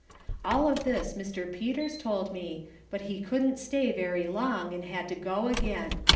All of this Mr. Peters told me, but he couldn't stay very long and had to go again.